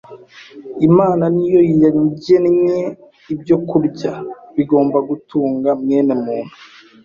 Imana ni Yo yagennye ibyokurya bigomba gutunga mwene muntu.